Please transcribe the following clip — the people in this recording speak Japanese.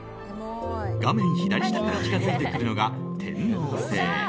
画面左下から近づいてくるのが天王星。